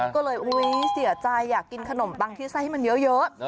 ก็เลยอุ๊ยเสียใจอยากกินขนมปังที่ไส้มันเยอะ